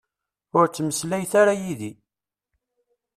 Ur ttmeslayet ara yid-i.